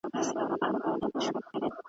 چي هر چا ویل احسان د ذوالجلال وو `